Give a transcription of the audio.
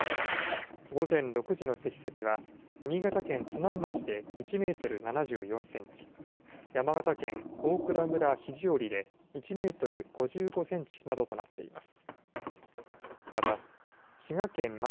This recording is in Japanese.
午前６時の積雪は、新潟県津南町で１メートル７４センチ、山形県大蔵村肘折で１メートル５５センチなどとなっています。